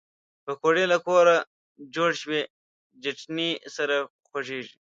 پکورې له کور جوړ شوي چټني سره خوږېږي